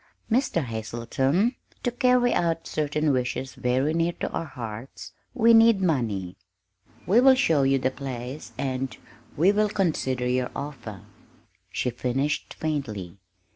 "Mr. Hazelton, to carry out certain wishes very near to our hearts, we need money. We will show you the place, and and we will consider your offer," she finished faintly.